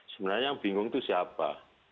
sebenarnya yang bingung itu siapa